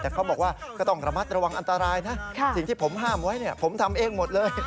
แต่เขาบอกว่าก็ต้องระมัดระวังอันตรายนะสิ่งที่ผมห้ามไว้ผมทำเองหมดเลย